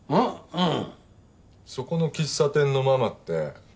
うん。